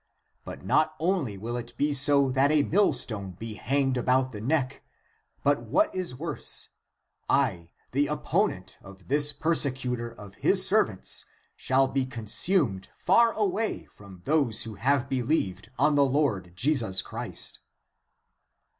But not only will it be so that a millstone (be hanged about the neck), but what is worse, (I) the opponent of this persecutor of his servants shall be consumed far away from those who have believed ACTS OF PETER 69 on the Lord Jesus Christ."